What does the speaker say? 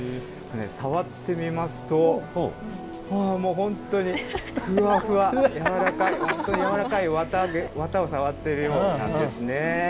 触ってみますと、もう本当に、ふわふわ、柔らか、本当に柔らかい綿毛を触っているようなんですね。